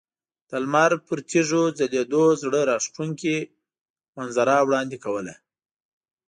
د لمر پر تیږو ځلیدو زړه راښکونکې منظره وړاندې کوله.